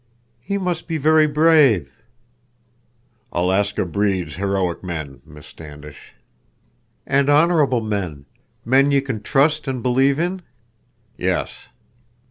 "He must be very brave." "Alaska breeds heroic men, Miss Standish." "And honorable men—men you can trust and believe in?" "Yes."